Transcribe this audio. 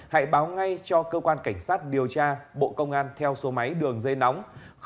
hãy báo ngay cho cơ quan cảnh sát điều tra bộ công an theo số máy đường dây nóng